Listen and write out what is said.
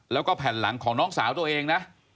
แล้วก็แผ่นหลังของน้องสาวตัวเองนะ